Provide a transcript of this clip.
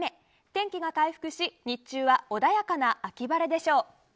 天気が回復し日中は穏やかな秋晴れでしょう。